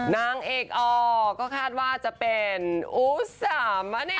นางเอกอก็คาดว่าจะเป็นอุศมะเนี่ย